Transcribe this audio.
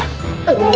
apaan tuh semua